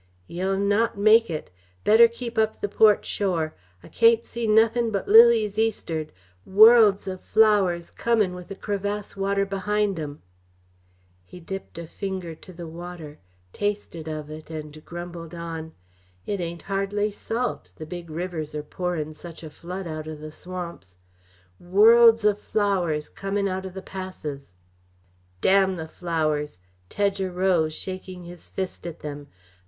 "Yeh'll not make it. Better keep up the port shore. I cain't see nothin' but lilies east'ard worlds o'flowers comin' with the crevasse water behind 'em." He dipped a finger to the water, tasted of it, and grumbled on: "It ain't hardly salt, the big rivers are pourin' such a flood out o' the swamps. Worlds o' flowers comin' out the passes " "Damn the flowers!" Tedge arose, shaking his fist at them.